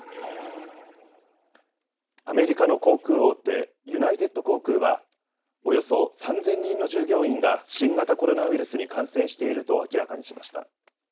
アメリカの航空大手、ユナイテッド航空はおよそ３０００人の従業員が新型コロナウイルスに感染していると明らかにしました。